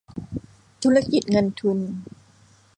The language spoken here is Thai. ธุรกิจเงินทุน